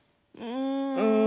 うん。